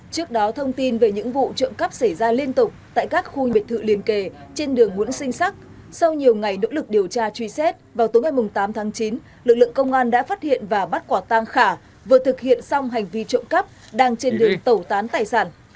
trước đó thông tin về những vụ trộm cắp xảy ra liên tục tại các khu biệt thự liền kề trên đường nguyễn sinh sắc sau nhiều ngày nỗ lực điều tra truy xét vào tối ngày tám tháng chín lực lượng công an đã phát hiện và bắt quả tang khà vừa thực hiện xong hành vi trộm cắp đang trên đường tẩu tán tài sản